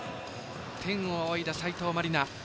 天を仰いだ斉藤真理菜。